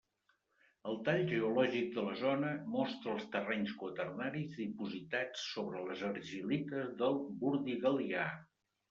El tall geològic de la zona mostra els terrenys quaternaris dipositats sobre les argil·lites del Burdigalià.